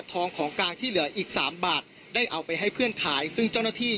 ของกลางที่เหลืออีกสามบาทได้เอาไปให้เพื่อนขายซึ่งเจ้าหน้าที่